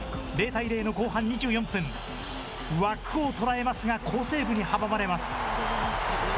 ０対０の後半２４分、枠を捉えますが、好セーブに阻まれます。